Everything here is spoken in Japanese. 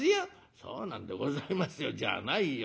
「そうなんでございますよじゃないよ。